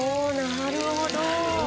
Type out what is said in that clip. なるほど。